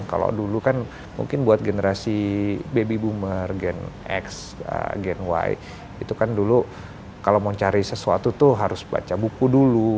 kalau dulu kan mungkin buat generasi baby boomer gen x gen y itu kan dulu kalau mau cari sesuatu tuh harus baca buku dulu